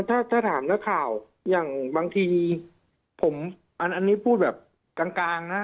ถ้าถามนักข่าวอย่างบางทีผมอันนี้พูดแบบกลางนะ